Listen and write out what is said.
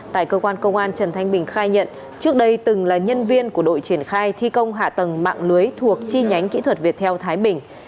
tại cơ quan công an trần thanh bình khai nhận trước đây từng là nhân viên của đội triển khai thi công hạ tầng mạng lưới thuộc chi nhánh kỹ thuật việt theo thái bình